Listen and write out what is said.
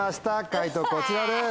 解答こちらです。